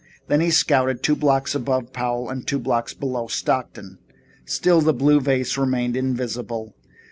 Then he scouted two blocks above Powell and two blocks below Stockton. Still the blue vase remained invisible.